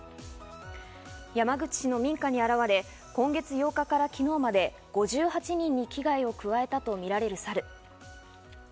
山口市の民家に現れ、今月８日から昨日まで５８人に危害を加えたとみられるサル。